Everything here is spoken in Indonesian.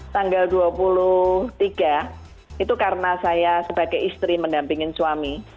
tanggal dua puluh tiga itu karena saya sebagai istri mendampingin suami